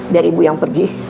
biar ibu yang pergi